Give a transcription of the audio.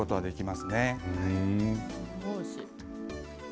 すごいおいしい。